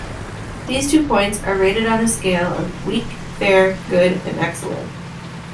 These two points are rated on a scale of "weak", "Fair", "Good" and "Excellent".